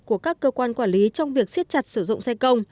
của các cơ quan quản lý trong việc siết chặt sử dụng xe công